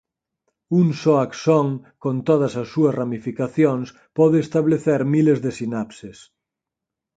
Un só axón con todas as súas ramificacións pode establecer miles de sinapses.